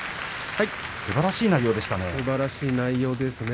すばらしい内容でしたね。